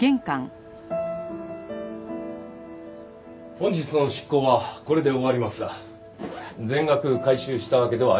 本日の執行はこれで終わりますが全額回収したわけではありません。